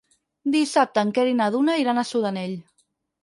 Dissabte en Quer i na Duna iran a Sudanell.